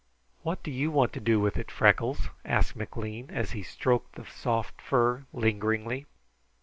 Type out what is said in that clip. "What do you want to do with it, Freckles?" asked McLean, as he stroked the soft fur lingeringly.